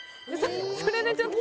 それでちょっと。